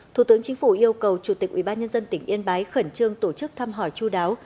thủ tướng chính phủ yêu cầu chủ tịch ubnd tỉnh yên bái khẩn trương tổ chức thăm hỏi chú đáo